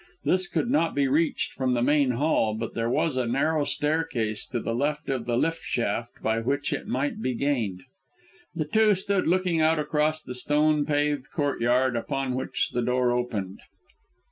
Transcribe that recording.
This could not be reached from the main hall, but there was a narrow staircase to the left of the lift shaft by which it might be gained. The two stood looking out across the stone paved courtyard upon which the door opened.